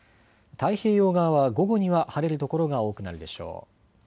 太平洋側は午後には晴れる所が多くなるでしょう。